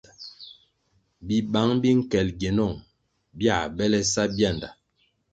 Bibang bi nkel gienung bia bele sa bianda.